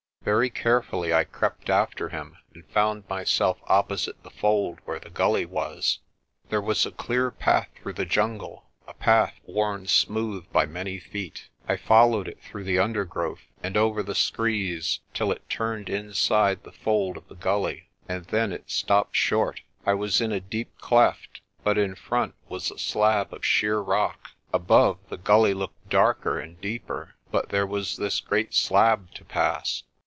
Very carefully I crept after him, and found myself opposite the fold where the gully was. There was a clear path through the jungle, a path worn smooth by many feet. I followed it through the undergrowth and over the screes till it turned inside the fold of the gully. And then it stopped short. I was in a deep cleft, but in front was a slab of sheer rock. Above, the gully looked darker and deeper, but there was this great slab to pass.